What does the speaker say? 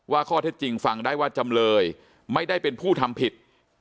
ข้อเท็จจริงฟังได้ว่าจำเลยไม่ได้เป็นผู้ทำผิด